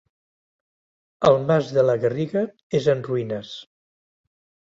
El Mas de la Garriga és en ruïnes.